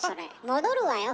戻るわよ